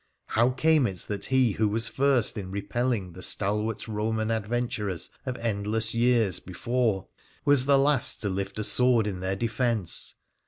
How came it that he who was first in repelling the stalwart Roman adventurers of endless years before was the last to lift a sword in their defence